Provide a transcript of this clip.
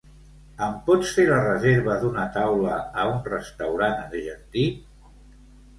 Em pots fer la reserva d'una taula a un restaurant argentí?